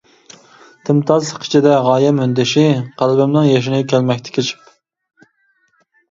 تىمتاسلىق ئىچىدىن غايەم ئۈندىشى قەلبىمنىڭ يېشىنى كەلمەكتە كېچىپ!